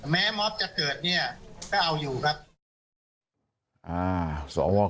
มอบจะเกิดเนี่ยก็เอาอยู่ครับ